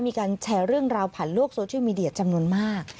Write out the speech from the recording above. มีการแชร์เรื่องราวผ่านโลกโซเชียลมีเดียจำนวนมาก